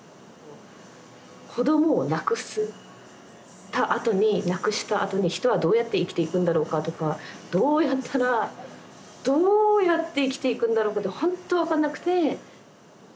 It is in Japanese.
子どもを亡くしたあとに人はどうやって生きていくんだろうかとかどうやったらどうやって生きていくんだろうかとほんと分かんなくて。